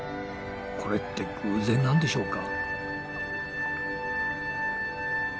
これって偶然なんでしょうか。